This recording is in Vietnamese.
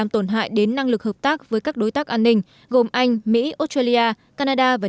truốc lấy thủ địch